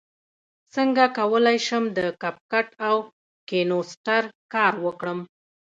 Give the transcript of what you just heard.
څنګه کولی شم د کپ کټ او کینوسټر کار وکړم